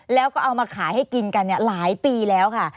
แล้วก็เอามาขายให้กินกันหลายปีแล้วค่ะ